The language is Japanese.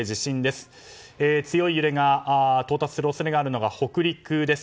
強い揺れが到達する恐れがあるのが北陸です。